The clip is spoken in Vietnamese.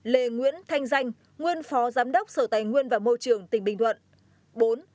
ba lê nguyễn thanh danh nguyên phó giám đốc sở tài nguyên và môi trường tỉnh bình thuận